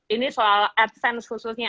ini soal adsense khususnya